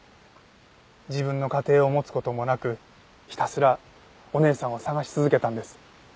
自分の家庭を持つ事もなくひたすらお姉さんを捜し続けたんです。